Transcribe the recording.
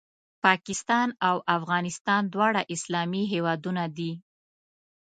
پاکستان او افغانستان دواړه اسلامي هېوادونه دي